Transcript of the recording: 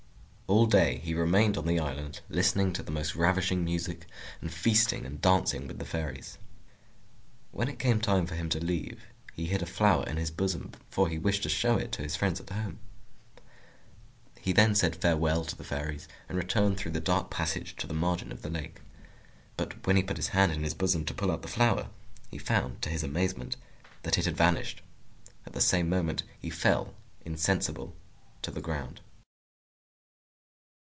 All day he remained on the island, listening to the most ravishing music, and feasting and dancing with the Fairies. When it came time for him to leave, he hid a flower in his bosom, for he wished to show it to his friends at home. He then said farewell to the Fairies, and returned through the dark passage to the margin of the lake. But when he put his hand in his bosom to pull out the flower, he found to his amazement that it had vanished. At the same moment he fell insensible to the ground.